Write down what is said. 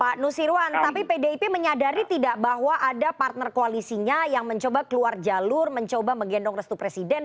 pak nusirwan tapi pdip menyadari tidak bahwa ada partner koalisinya yang mencoba keluar jalur mencoba menggendong restu presiden